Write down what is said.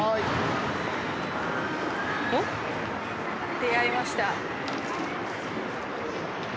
出会いました。